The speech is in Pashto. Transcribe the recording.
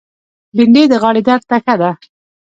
بېنډۍ د غاړې درد ته ښه ده